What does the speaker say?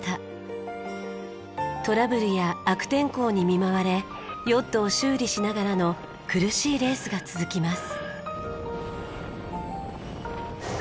トラブルや悪天候に見舞われヨットを修理しながらの苦しいレースが続きます。